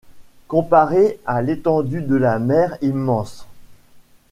comparé à l’étendue de la mer immense?